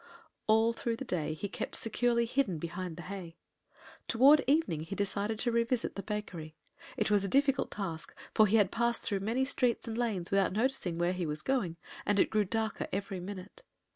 All through the day he kept securely hidden behind the hay. Toward evening he decided to revisit the bakery. It was a difficult task, for he had passed through many streets and lanes without noticing where he was going, and it grew darker every minute.